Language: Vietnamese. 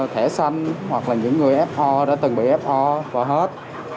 thẻ xanh hoặc là những người fo đã từng bị fo và hết